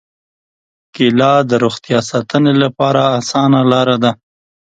کېله د روغتیا ساتنې لپاره اسانه لاره ده.